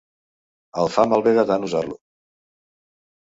El fa malbé de tan usar-lo.